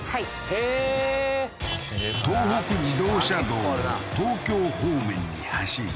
へえー東北自動車道を東京方面に走り